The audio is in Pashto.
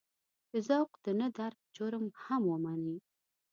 د ذوق د نه درک جرم هم ومني.